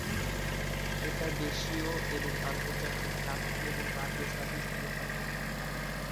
এটা দেশীয় এবং আন্তর্জাতিক যাত্রী ও কার্গো সার্ভিস দিয়ে থাকে।